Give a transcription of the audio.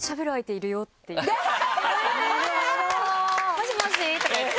「もしもし」とか言って。